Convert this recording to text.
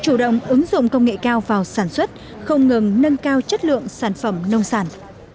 ứng dụng công nghệ cao vào sản xuất không ngừng nâng cao chất lượng sản phẩm nông sản